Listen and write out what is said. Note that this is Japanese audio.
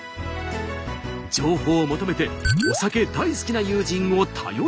情報を求めてお酒大好きな友人を頼ることに。